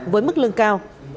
với mức lương cao